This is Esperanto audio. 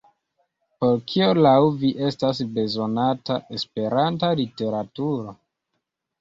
Por kio laŭ vi estas bezonata Esperanta literaturo?